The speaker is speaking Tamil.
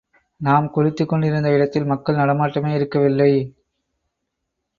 நாம் குளித்துக் கொண்டிருந்த இடத்தில் மக்கள் நடமாட்டமே இருக்கவில்லை.